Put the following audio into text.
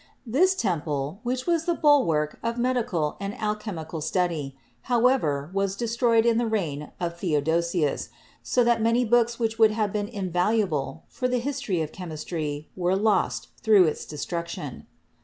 This temple, which was the bulwark of medical and alchemical study, however, was destroyed in the reign of Theodosius, so that many books which would have been invaluable for the history of chemistry were lost through its destruction.